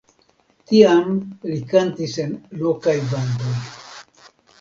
Tiam li kantis en lokaj bandoj.